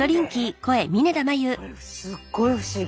これすっごい不思議。